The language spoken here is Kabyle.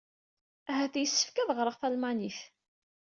Ahat yessefk ad ɣreɣ talmanit.